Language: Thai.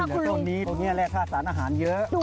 หลังเป็นจากนี้น้ำไผ่แหลกทาร์ษาอาหารเยอะ